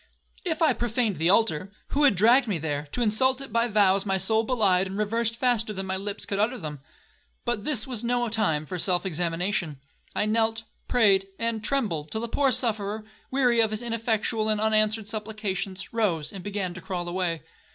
If I profaned the altar, who had dragged me there, to insult it by vows my soul belied and reversed faster than my lips could utter them? But this was no time for self examination. I knelt, prayed, and trembled, till the poor sufferer, weary of his ineffectual and unanswered supplications, rose, and began to crawl away.